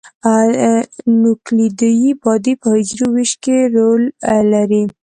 نوکلوئید باډي په حجروي ویش کې رول لري.